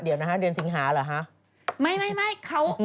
เดี๋ยวนะฮะเดือนสิงหาหรือ